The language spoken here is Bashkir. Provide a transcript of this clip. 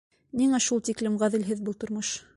Ниңә шул тиклем ғәҙелһеҙ был тормош?